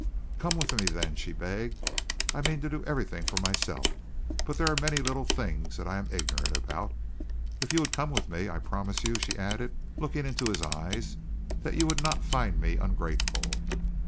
"Come with me, then," she begged. "I mean to do everything for myself, but there are many little things I am ignorant about. If you would come with me, I promise you," she added, looking into his eyes, "that you would not find me ungrateful."